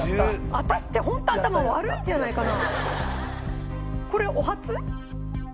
私ってホント頭悪いんじゃないかな。